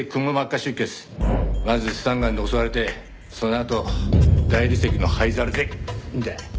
まずスタンガンで襲われてそのあと大理石の灰皿でだ。